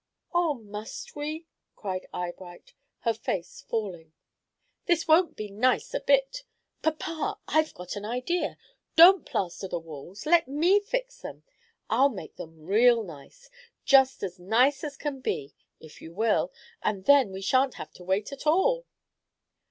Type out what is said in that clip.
"Oh, must we?" cried Eyebright, her face falling. "That won't be nice a bit. Papa! I've got an idea. Don't plaster the walls. Let me fix them. I'll make them real nice, just as nice as can be, if you will, and then we shan't have to wait at all."